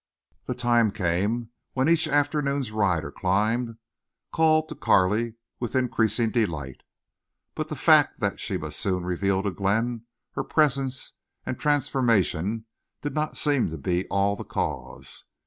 The time came when each afternoon's ride or climb called to Carley with increasing delight. But the fact that she must soon reveal to Glenn her presence and transformation did not seem to be all the cause.